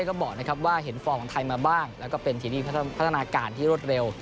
ก็บอกนะครับว่าเห็นฟอร์มของไทยมาบ้างแล้วก็เป็นที่นี่พัฒนาการที่รวดเร็ว